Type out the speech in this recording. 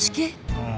うん。